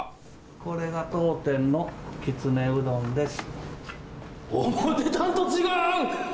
これが当店のきつねうどんです。